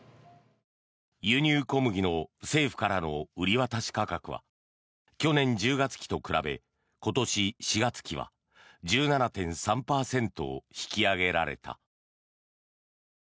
輸入小麦の政府からの売り渡し価格は去年１０月期と比べ今年４月期は１７．３％引き上げられた。